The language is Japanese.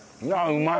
うまい！